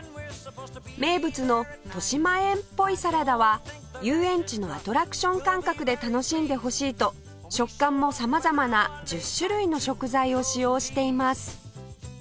名物の豊島園っぽいサラダは遊園地のアトラクション感覚で楽しんでほしいと食感も様々な１０種類の食材を使用しています